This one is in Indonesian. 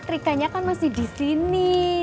rikanya kan masih disini